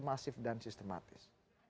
masif dan sistematis